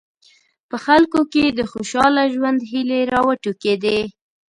په خلکو کې د خوشاله ژوند هیلې راوټوکېدې.